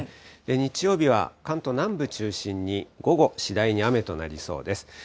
日曜日は関東南部中心に午後、次第に雨となりそうです。